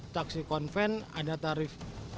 taksi konven ada tarif